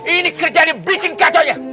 ini kerja ini bikin kacau nya